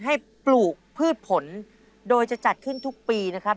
ปลูกพืชผลโดยจะจัดขึ้นทุกปีนะครับ